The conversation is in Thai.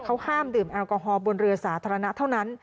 เขาห้ามดื่มแอลกอฮอลบนเรือสาธารณะเท่านั้น